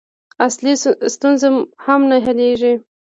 اصلي ستونزه هم نه حلېږي.